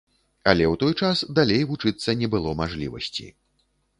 Але ў той час далей вучыцца не было мажлівасці.